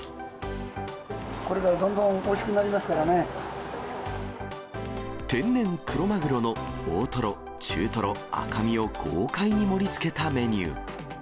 これからどんどんおいしくな天然クロマグロの大トロ、中トロ、赤身を豪快に盛りつけたメニュー。